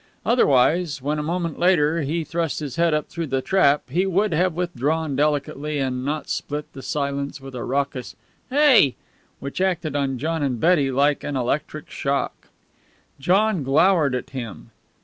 Otherwise, when, a moment later, he thrust his head up through the trap, he would have withdrawn delicately, and not split the silence with a raucous "Hey!" which acted on John and Betty like an electric shock. John glowered at him.